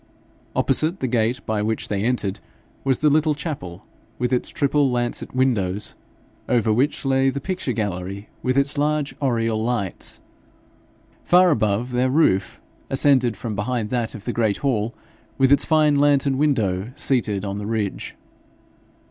Opposite the gate by which they entered was the little chapel, with its triple lancet windows, over which lay the picture gallery with its large oriel lights. Far above their roof, ascended from behind that of the great hall, with its fine lantern window seated on the ridge.